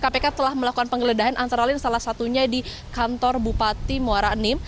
kpk telah melakukan penggeledahan antara lain salah satunya di kantor bupati muara enim